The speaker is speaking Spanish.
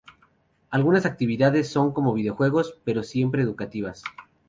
Algunas actividades son como videojuegos, pero siempre educativas.